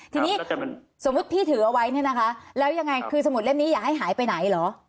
ทีนี้สมมุติพี่ถือเอาไว้เนี่ยนะคะแล้วยังไงคือสมุดเล่มนี้อย่าให้หายไปไหนเหรอ